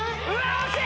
惜しい！